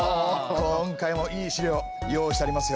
今回もいい資料用意してありますよ。